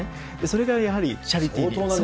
それがやはり、チャリティーに。